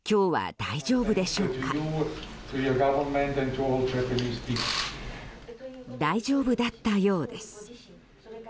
大丈夫だったようです。